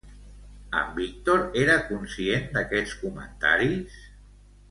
En Víctor era conscient d'aquests comentaris?